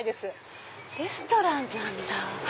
レストランなんだ。